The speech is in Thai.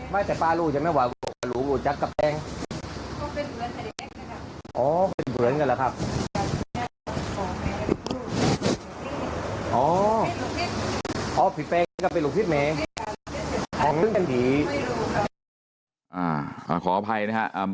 ขออภัยนะครับคนละหลังนะครับ